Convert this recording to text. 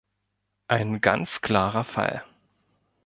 Ein ganz klarer Fall.